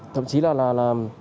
thậm chí là đâm chốt thông chốt